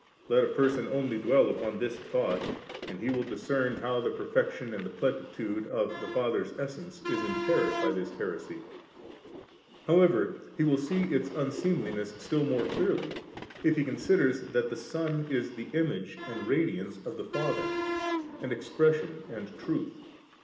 Let a person only dwell upon this thought, and he will discern how the perfection and the plenitude of the Father's essence is impaired by this heresy; however, he will see its unseemliness still more clearly, if he considers that the Son is the Image and Radiance of' the Father, and Expression, and Truth.